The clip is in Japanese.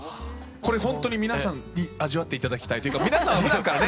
これほんとに皆さんに味わって頂きたいというか皆さんはふだんからね。